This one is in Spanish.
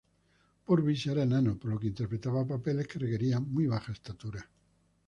Purvis era enano, por lo que interpretaba papeles que requerían muy baja estatura.